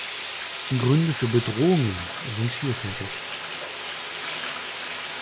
Gründe für Bedrohungen sind vielfältig.